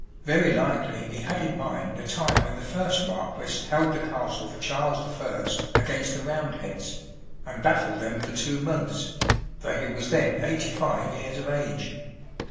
Very likely he had in mind the time when the first marquis held the castle for Charles I. against the Roundheads, and baffled them for two months, though he was then eighty five years of age.